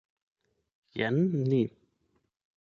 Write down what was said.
Jen ni!